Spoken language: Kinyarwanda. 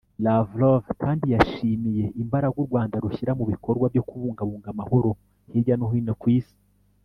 Lavrov kandi yashimye imbaraga u Rwanda rushyira mu bikorwa byo kubungabunga amahoro hirya no hino ku Isi